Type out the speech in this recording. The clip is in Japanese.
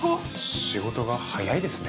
仕事が早いですね。